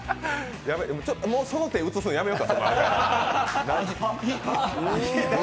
もうその手、映すんやめようか。